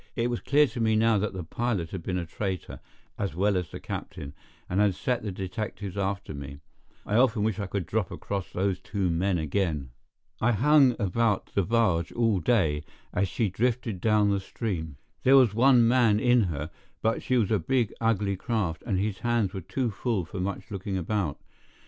It was clear to me now that the pilot had been a traitor, as well as the captain, and had set the detectives after me. I often wish I could drop across those two men again. I hung about the barge all day as she drifted down the stream. There was one man in her, but she was a big, ugly craft, and his hands were too full for much looking about.